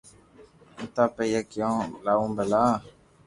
ايتا پيئا ڪيو لاو ڀلا